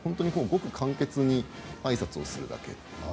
ごく簡潔にあいさつをするだけ。